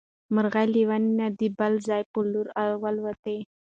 مرغۍ له ونې نه د بل ځای په لور والوتې.